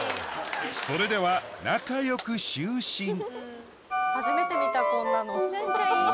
それでは初めて見たこんなの。